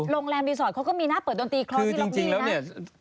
โรงแรมรีสอร์ทเขาก็มีหน้าเปิดดนตรีคล้อที่ล็อบบี้นะ